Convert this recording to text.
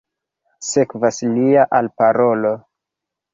Sekvas lia alparolo.